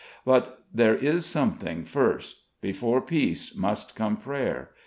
But there is something first. Before Peace must come Prayer.